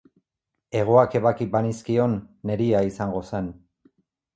Hegoak ebaki banizkion, neria izango zen